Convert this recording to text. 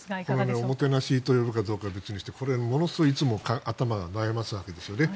おもてなしと呼ぶかどうかは別にしてこれ、いつも頭を悩ますわけですね。